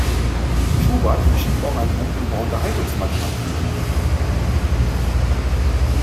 Schubert schrieb auch ein Buch über Unterhaltungsmathematik.